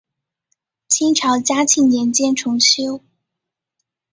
清朝嘉庆年间重修。